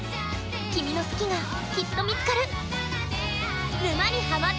君の好きがきっと見つかる！